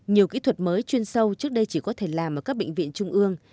nhiều kỹ thuật mới chuyên sâu trước đây chỉ có thể làm ở các bệnh viện trung ương